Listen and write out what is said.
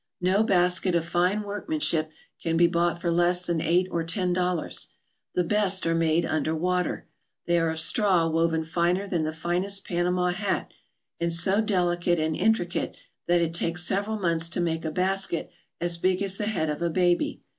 No basket of fine workmanship can be bought for less than eight or ten dollars. The best are made under water. They are of straw woven finer than the finest Panama hat, and so delicate and intricate that it takes several months to make a basket as big as the head of a baby.